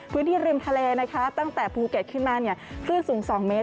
พื้นที่ริมทะเลนะคะตั้งแต่ภูเก็ตขึ้นมาคลื่นสูง๒เมตร